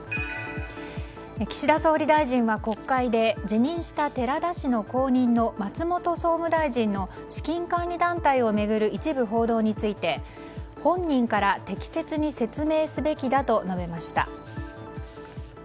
岸田総理大臣は国会で辞任した寺田氏の後任の松本総務大臣の資金管理団体を巡る一部報道について本人から適切に説明すべきだと述べました。